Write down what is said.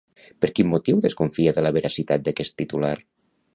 Per quin motiu desconfia de la veracitat d'aquest titular?